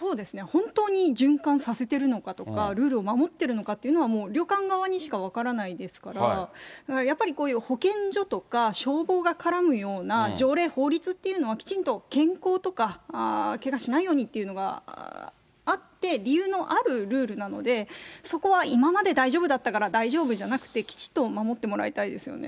本当に循環させてるのかとか、ルールを守ってるのかっていうのは、もう旅館側にしか分からないですから、やっぱりこういう保健所とか消防が絡むような条例、法律っていうのは、きちんと健康とか、けがしないようにっていうのがあって、理由のあるルールなので、そこは今まで大丈夫だったから大丈夫じゃなくて、きちっと守ってもらいたいですよね。